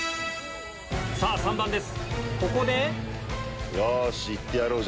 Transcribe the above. さぁ３番です。